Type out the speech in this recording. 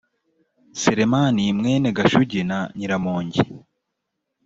selemani mwene gashugi na nyiramongi